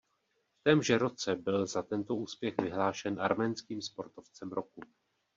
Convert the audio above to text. V témže roce byl za tento úspěch vyhlášen arménským sportovcem roku.